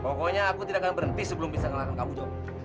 pokoknya aku tidak akan berhenti sebelum bisa mengalahkan kamu tuh